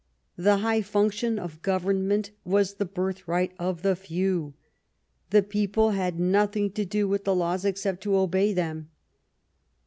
The high function of government was the birthright of the few. The people had nothing to do with the laws except to obey them."